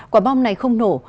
quả bom này không nổ